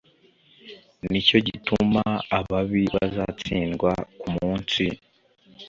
Ni cyo gituma ababi bazatsindwa ku munsi